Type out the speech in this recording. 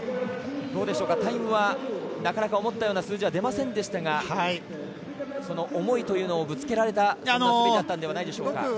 タイムはなかなか思ったような数字は出ませんでしたが思いというのをぶつけられたそんな滑りではなかったでしょうか。